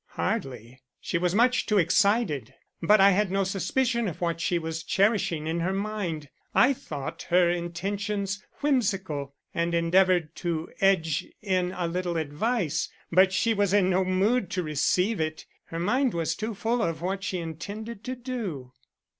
"Hardly; she was much too excited. But I had no suspicion of what she was cherishing in her mind. I thought her intentions whimsical, and endeavored to edge in a little advice, but she was in no mood to receive it. Her mind was too full of what she intended to do.